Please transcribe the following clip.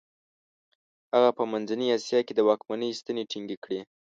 هغه په منځنۍ اسیا کې د واکمنۍ ستنې ټینګې کړې.